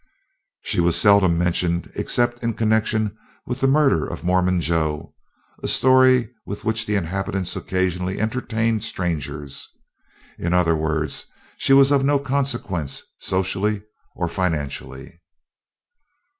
She was seldom mentioned except in connection with the murder of Mormon Joe, a story with which the inhabitants occasionally entertained strangers. In other words, she was of no consequence socially or financially.